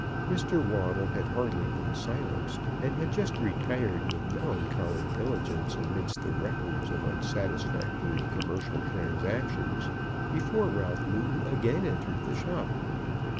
Mr. Waddle had hardly been silenced, and had just retired with melancholy diligence amidst the records of unsatisfactory commercial transactions, before Ralph Newton again entered the shop.